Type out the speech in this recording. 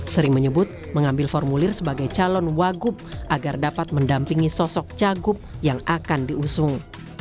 sering menyebut mengambil formulir sebagai calon wagub agar dapat mendampingi sosok cagup yang akan diusung